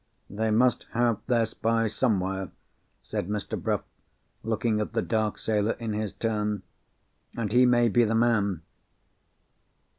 "They must have their spy somewhere," said Mr. Bruff, looking at the dark sailor in his turn. "And he may be the man."